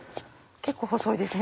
結構細いですね。